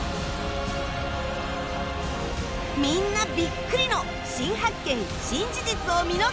みんなビックリの新発見・新事実を見逃すな！